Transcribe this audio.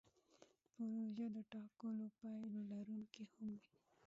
پروژه د ټاکلو پایلو لرونکې هم وي.